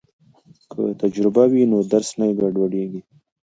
که تجربه وي نو درس نه ګډوډیږي.